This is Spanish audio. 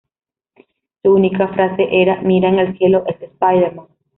Su única frase era "¡Mira en el cielo, es Spider-Man!".